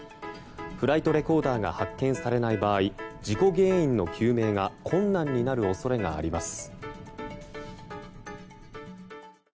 フライトレコーダーが発見されない場合事故原因の究明が困難になる恐れがあります。